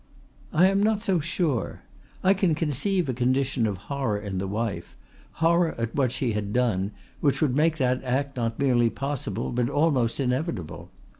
"I am not so sure. I can conceive a condition of horror in the wife, horror at what she had done, which would make that act not merely possible but almost inevitable.